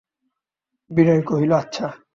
বিনয় কহিল, আচ্ছা।